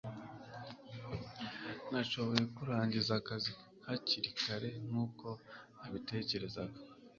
Nashoboye kurangiza akazi hakiri kare nkuko nabitekerezaga